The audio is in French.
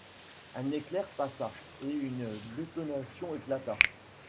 Un éclair passa et une détonation éclata.